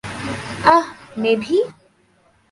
আহ, মেভি?